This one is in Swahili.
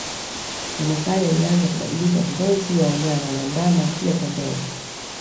Wamasai walianza kubadilisha ngozi ya wanyama na ndama pia kondoo